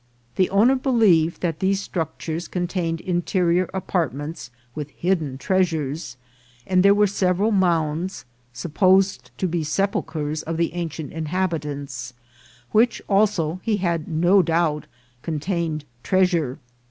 The owner believed that these structures contained interior apartments with hidden treasures ; and there were several mounds, supposed to be sepulchres of the ancient inhabitants, which also, he had no doubt, con tained treasure.